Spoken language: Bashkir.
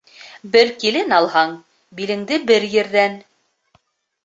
Бер килен алһаң, билеңде бер ерҙән